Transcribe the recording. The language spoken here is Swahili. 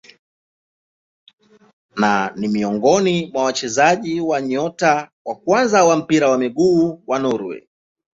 Na ni miongoni mwa wachezaji nyota wa kwanza wa mpira wa miguu wa Norway.